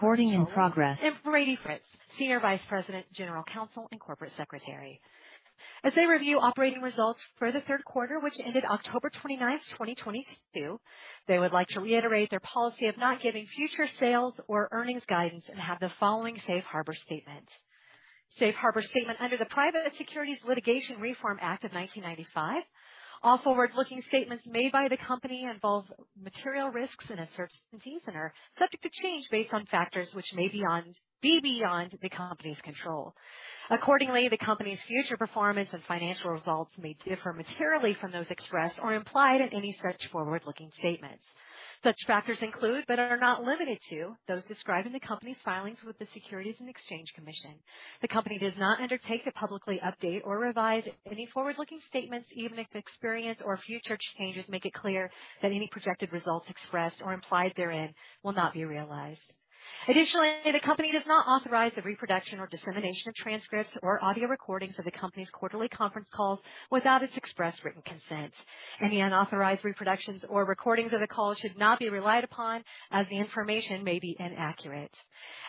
Brady Fritz, Senior Vice President, General Counsel and Corporate Secretary. As they review operating results for the third quarter, which ended October 29th, 2022, they would like to reiterate their policy of not giving future sales or earnings guidance and have the following safe harbor statement. Safe harbor statement. Under the Private Securities Litigation Reform Act of 1995, all forward-looking statements made by the company involve material risks and uncertainties and are subject to change based on factors which may be beyond the company's control. Accordingly, the company's future performance and financial results may differ materially from those expressed or implied in any such forward-looking statements. Such factors include, but are not limited to, those described in the company's filings with the Securities and Exchange Commission. The company does not undertake to publicly update or revise any forward-looking statements, even if experience or future changes make it clear that any projected results expressed or implied therein will not be realized. Additionally, the company does not authorize the reproduction or dissemination of transcripts or audio recordings of the company's quarterly conference calls without its express written consent. Any unauthorized reproductions or recordings of the call should not be relied upon as the information may be inaccurate.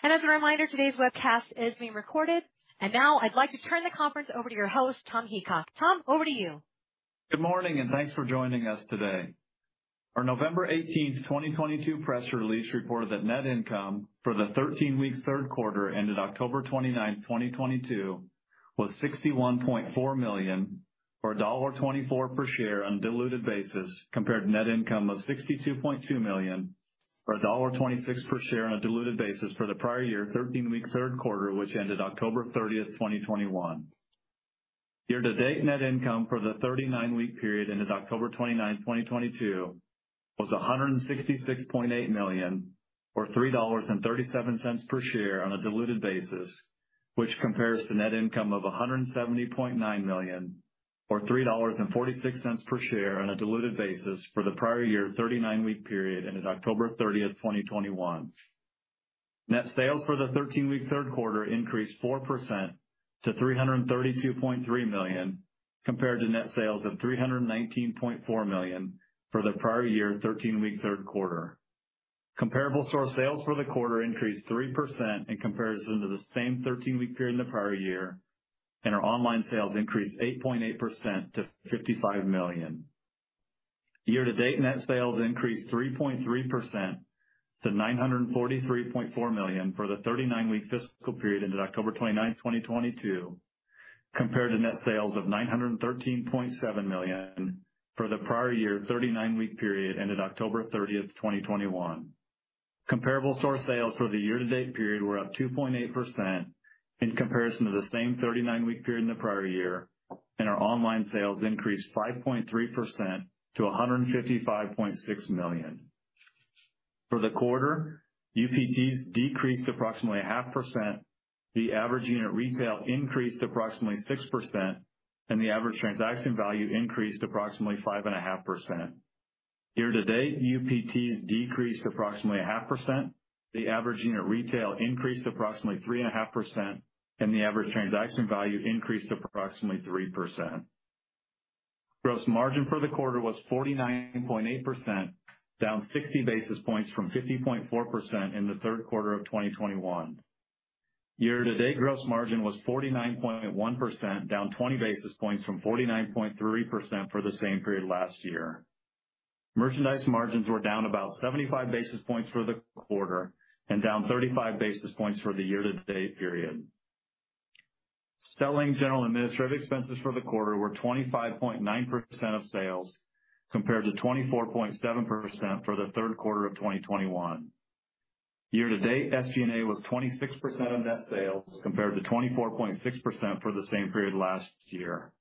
As a reminder, today's webcast is being recorded. Now I'd like to turn the conference over to your host, Tom Heacock. Tom, over to you. Good morning, and thanks for joining us today. Our November 18th, 2022 press release reported that net income for the 13-week third quarter ended October 29th, 2022 was $61.4 million or a $1.24 per share on diluted basis compared to net income of $62.2 million or a $1.26 per share on a diluted basis for the prior year 13-week third quarter, which ended October 30th, 2021. Year-to-date net income for the 39-week period ended October 29th, 2022 was a $166.8 million or $3.37 per share on a diluted basis, which compares to net income of a $170.9 million or $3.46 per share on a diluted basis for the prior year 39-week period ended October 30th, 2021. Net sales for the 13-week third quarter increased 4% to $332.3 million compared to net sales of $319.4 million for the prior year 13-week third quarter. Comparable store sales for the quarter increased 3% in comparison to the same 13-week period in the prior year, and our online sales increased 8.8% to $55 million. Year-to-date net sales increased 3.3% to $943.4 million for the 39-week fiscal period ended October 29th, 2022, compared to net sales of $913.7 million for the prior year 39-week period ended October 30th, 2021. Comparable store sales for the year-to-date period were up 2.8% in comparison to the same 39-week period in the prior year, and our online sales increased 5.3% to $155.6 million. For the quarter, UPTs decreased approximately a 0.5%. The average unit retail increased approximately 6%, and the average transaction value increased approximately 5.5%. Year to date, UPTs decreased approximately a 0.5%. The average unit retail increased approximately 3.5%, and the average transaction value increased approximately 3%. Gross margin for the quarter was 49.8%, down 60 basis points from 50.4% in the third quarter of 2021. Year-to-date, gross margin was 49.1%, down 20 basis points from 49.3% for the same period last year. Merchandise margins were down about 75 basis points for the quarter and down 35 basis points for the year-to-date period. Selling, general, administrative expenses for the quarter were 25.9% of sales, compared to 24.7% for the third quarter of 2021. Year-to-date, SG&A was 26% of net sales compared to 24.6% for the same period last year.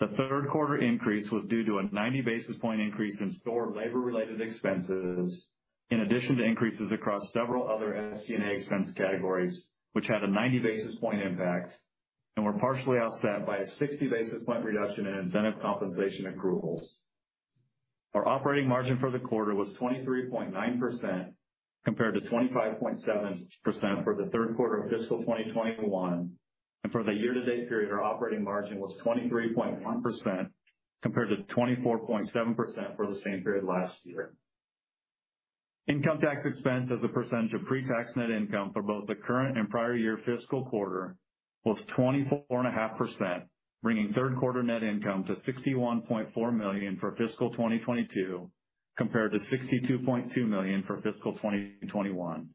The third quarter increase was due to a 90 basis point increase in store labor-related expenses, in addition to increases across several other SG&A expense categories, which had a 90 basis point impact and were partially offset by a 60 basis point reduction in incentive compensation accruals. Our operating margin for the quarter was 23.9% compared to 25.7% for the third quarter of fiscal 2021 and from the year-to-date period, our operating margin was 23.1% compared to 24.7% for the same period last year. Income tax expense as a percentage of pretax net income for both the current and prior year fiscal quarter was 24.5%, bringing third quarter net income to $61.4 million for fiscal 2022 compared to $62.2 million for fiscal 2021.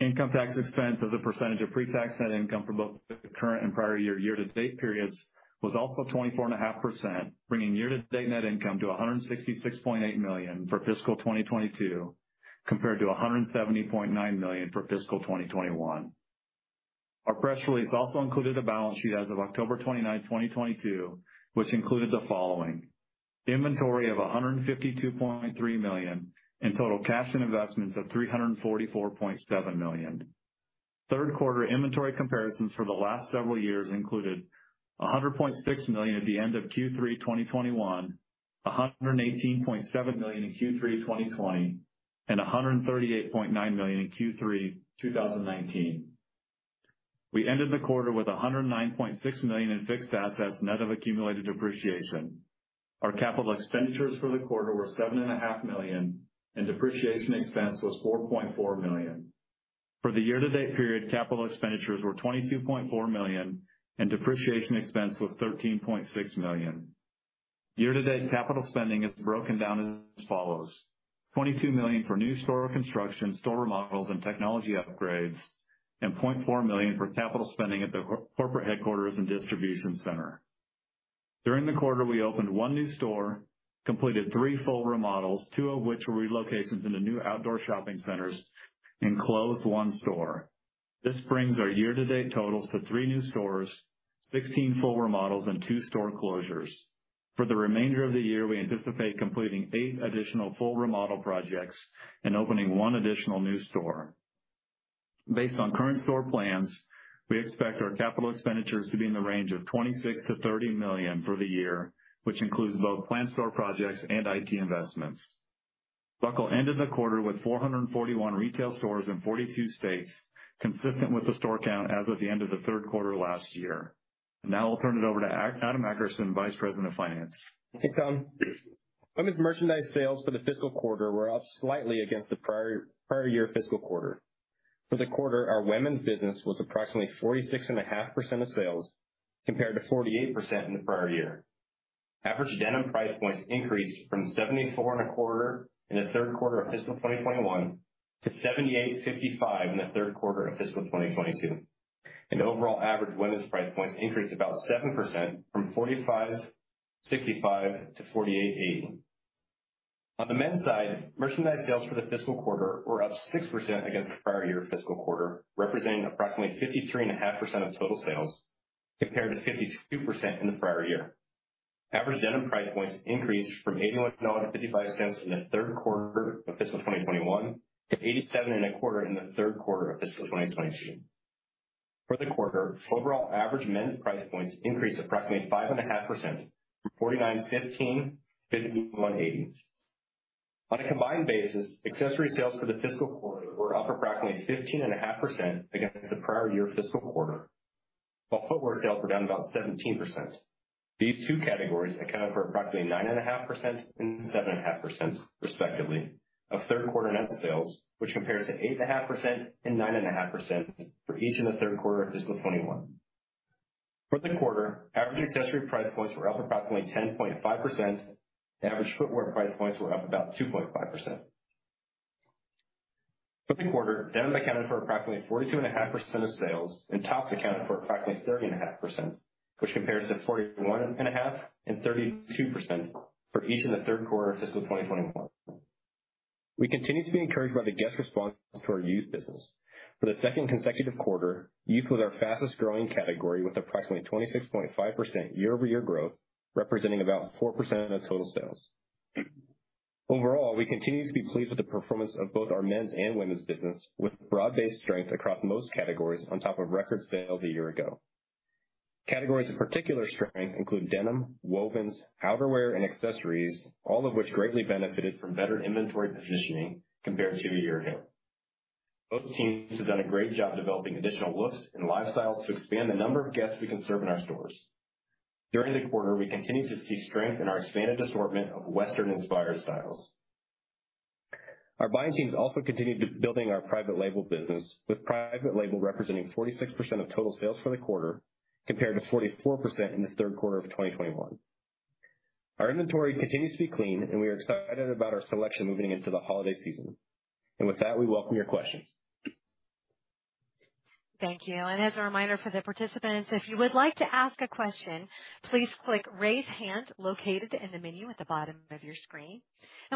Income tax expense as a percentage of pre-tax net income for both the current and prior year-to-date periods was also 24.5%, bringing year-to-date net income to $166.8 million for fiscal 2022 compared to $170.9 million for fiscal 2021. Our press release also included a balance sheet as of October 29th, 2022, which included the following, inventory of $152.3 million and total cash and investments of $344.7 million. Third quarter inventory comparisons for the last several years included a $100.6 Million at the end of Q3 2021, a $118.7 million in Q3 2020, and a $138.9 million in Q3 2019. We ended the quarter with a $109.6 million in fixed assets, net of accumulated depreciation. Our capital expenditures for the quarter were $7.5 million, and depreciation expense was $4.4 million. For the year-to-date period, capital expenditures were $22.4 million, and depreciation expense was $13.6 million. Year-to-date capital spending is broken down as follows: $22 million for new store construction, store remodels, and technology upgrades, and $0.4 million for capital spending at the corporate headquarters and distribution center. During the quarter, we opened one new store, completed three full remodels, two of which were relocations into new outdoor shopping centers, and closed one store. This brings our year-to-date totals to three new stores, 16 full remodels, and two store closures. For the remainder of the year, we anticipate completing eight additional full remodel projects and opening one additional new store. Based on current store plans, we expect our capital expenditures to be in the range of $26 million-$30 million for the year, which includes both planned store projects and IT investments. Buckle ended the quarter with 441 retail stores in 42 states, consistent with the store count as of the end of the third quarter last year. Now I'll turn it over to Adam Akerson, Vice President of Finance. Thanks, Tom. Women's merchandise sales for the fiscal quarter were up slightly against the prior year fiscal quarter. For the quarter, our women's business was approximately 46.5% of sales, compared to 48% in the prior year. Average denim price points increased from $74 and a quarter in the third quarter of fiscal 2021 to $78.55 in the third quarter of fiscal 2022, and overall average women's price points increased about 7% from $45.65 to $48.80. On the men's side, merchandise sales for the fiscal quarter were up 6% against the prior year fiscal quarter, representing approximately 53.5% of total sales, compared to 52% in the prior year. Average denim price points increased from $81.55 in the third quarter of fiscal 2021 to $87 and a quarter in the third quarter of fiscal 2022. For the quarter, overall average men's price points increased approximately 5.5% from $49.15-$51.80. On a combined basis, accessory sales for the fiscal quarter were up approximately 15.5% against the prior year fiscal quarter, while footwear sales were down about 17%. These two categories account for approximately 9.5% and 7.5%, respectively, of third quarter net sales, which compares to 8.5% and 9.5% for each of the third quarter of fiscal 2021. For the quarter, average accessory price points were up approximately 10.5%. Average footwear price points were up about 2.5%. For the quarter, denim accounted for approximately 42.5% of sales, and tops accounted for approximately 30.5%, which compares to 41.5% and 32% for each of the third quarter of fiscal 2021. We continue to be encouraged by the guest response to our youth business. For the second consecutive quarter, youth was our fastest growing category with approximately 26.5% year-over-year growth, representing about 4% of total sales. Overall, we continue to be pleased with the performance of both our men's and women's business, with broad-based strength across most categories on top of record sales a year ago. Categories of particular strength include denim, wovens, outerwear, and accessories, all of which greatly benefited from better inventory positioning compared to a year ago. Both teams have done a great job developing additional looks and lifestyles to expand the number of guests we can serve in our stores. During the quarter, we continued to see strength in our expanded assortment of Western-inspired styles. Our buying teams also continued building our private label business, with private label representing 46% of total sales for the quarter, compared to 44% in the third quarter of 2021. Our inventory continues to be clean, and we are excited about our selection moving into the holiday season. With that, we welcome your questions. Thank you. As a reminder for the participants, if you would like to ask a question, please click Raise Hand located in the menu at the bottom of your screen.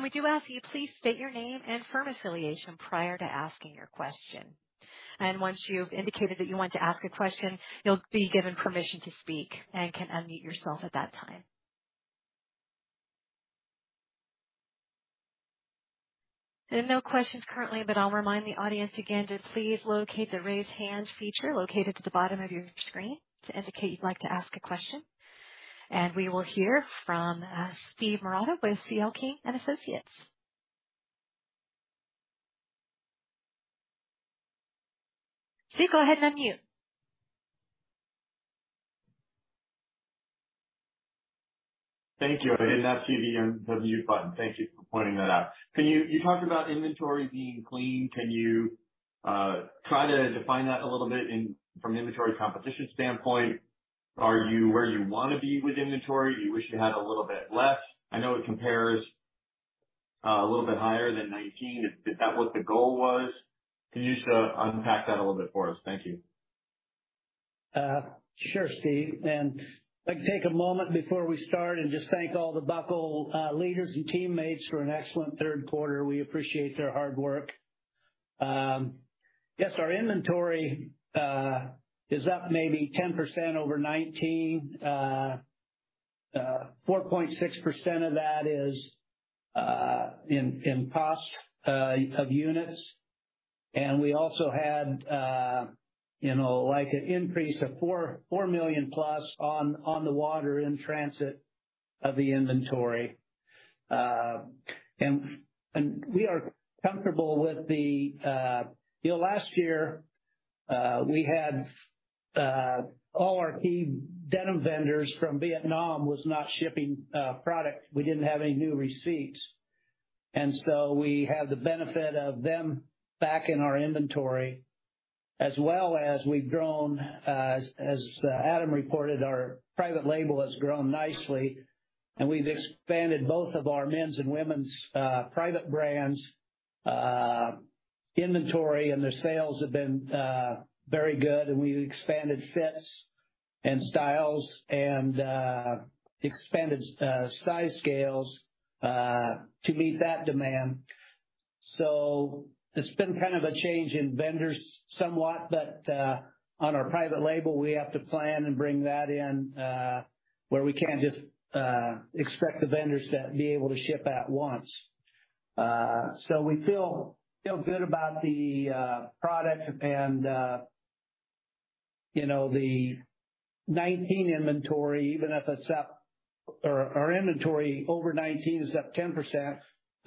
We do ask you please state your name and firm affiliation prior to asking your question. Once you've indicated that you want to ask a question, you'll be given permission to speak and can unmute yourself at that time. There are no questions currently, but I'll remind the audience again to please locate the Raise Hand feature located at the bottom of your screen to indicate you'd like to ask a question. We will hear from Steve Marotta with C.L. King & Associates. Steve, go ahead, unmute. Thank you. I did not see the mute button. Thank you for pointing that out. You talked about inventory being clean. Can you try to define that a little bit from an inventory composition standpoint? Are you where you wanna be with inventory? Do you wish you had a little bit less? I know it compares a little bit higher than 2019. Is that what the goal was? Can you just unpack that a little bit for us? Thank you. Sure, Steve. I'd like to take a moment before we start and just thank all the Buckle leaders and teammates for an excellent third quarter. We appreciate their hard work. Yes, our inventory is up maybe 10% over 2019. 4.6% of that is in cost of units. We also had, you know, like, an increase of $4 million plus on the water in transit of the inventory. You know, last year, we had all our key denim vendors from Vietnam was not shipping product. We didn't have any new receipts. We have the benefit of them back in our inventory as well as we've grown. As Adam reported, our private label has grown nicely and we've expanded both of our men's and women's private brands inventory, and their sales have been very good, and we've expanded fits and styles and expanded size scales to meet that demand. It's been kind of a change in vendors somewhat, but on our private label, we have to plan and bring that in where we can't just expect the vendors to be able to ship at once. We feel good about the product. You know, the 2019 inventory, even if it's up. Our inventory over 2019 is up 10%,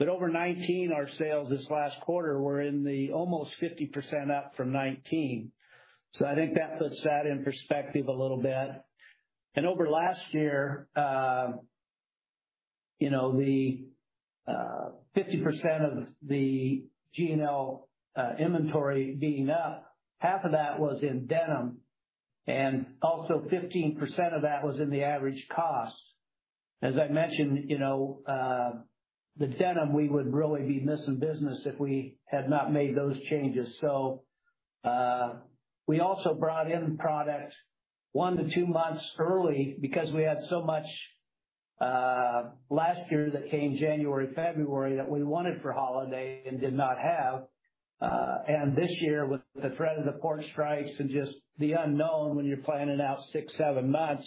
but over 2019, our sales this last quarter were in the almost 50% up from 2019. I think that puts that in perspective a little bit. Over last year, you know, the 50% of the overall inventory being up, half of that was in denim, and also 15% of that was in the average cost. As I mentioned, you know, the denim, we would really be missing business if we had not made those changes. We also brought in products one to two months early because we had so much last year that came January, February that we wanted for holiday and did not have. This year, with the threat of the port strikes and just the unknown when you're planning out six, seven months,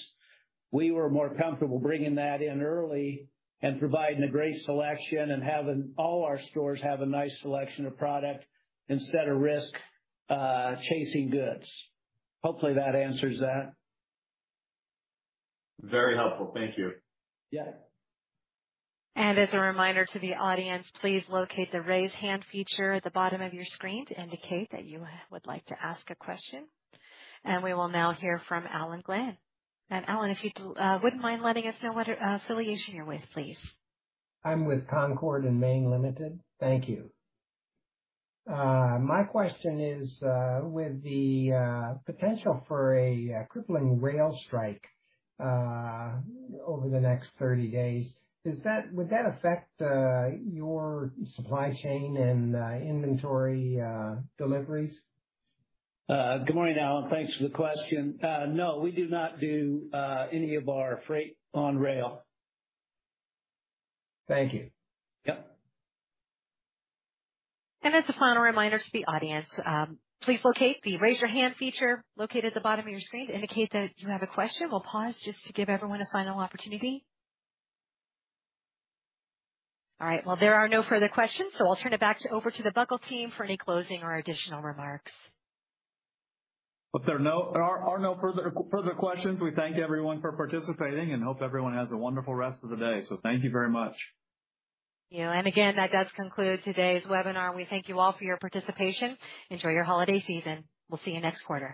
we were more comfortable bringing that in early and providing a great selection and having all our stores have a nice selection of product instead of risk chasing goods. Hopefully, that answers that. Very helpful. Thank you. Yeah. As a reminder to the audience, please locate the Raise Hand feature at the bottom of your screen to indicate that you would like to ask a question. We will now hear from Alan Glenn. Alan, if you wouldn't mind letting us know what affiliation you're with, please. I'm with Concord & Main Ltd. Thank you. My question is with the potential for a crippling rail strike over the next 30 days, would that affect your supply chain and inventory deliveries? Good morning, Alan. Thanks for the question. No, we do not do any of our freight on rail. Thank you. Yep. As a final reminder to the audience, please locate the Raise Your Hand feature located at the bottom of your screen to indicate that you have a question. We'll pause just to give everyone a final opportunity. All right, well, there are no further questions, so I'll turn it over to the Buckle team for any closing or additional remarks. If there are no further questions, we thank everyone for participating and hope everyone has a wonderful rest of the day. Thank you very much. Yeah. Again, that does conclude today's webinar. We thank you all for your participation. Enjoy your holiday season. We'll see you next quarter.